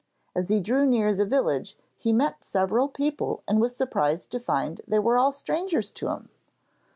As he drew near the village he met several people and was surprised to find they were all strangers to him.